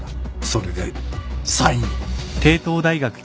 それでサイに。